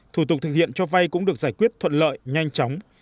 thủ tục thực hiện cho vay cũng được giải quyết thuận lợi nhanh chóng